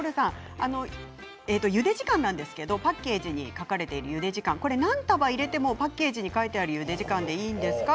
ゆで時間ですが、パッケージに書かれている、ゆで時間何束を入れてもパッケージのゆで時間でいいんですか。